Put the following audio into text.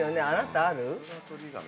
あなた、ある？